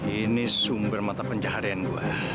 ini sumber mata pencaharian dua